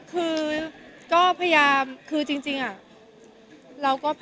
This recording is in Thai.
คือก็พยายามคือจริงอะ